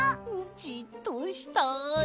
じっとしたい。